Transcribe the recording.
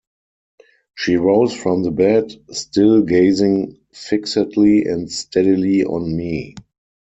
She rose from the bed, still gazing fixedly and steadily on me.